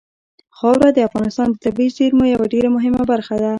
خاوره د افغانستان د طبیعي زیرمو یوه ډېره مهمه برخه ده.